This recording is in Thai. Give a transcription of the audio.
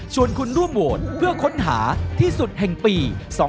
คุณร่วมโหวตเพื่อค้นหาที่สุดแห่งปี๒๕๖